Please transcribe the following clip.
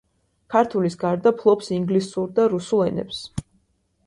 ქართულის გარდა ფლობს ინგლისურ და რუსულ ენებს.